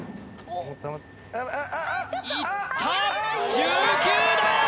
いった１９段！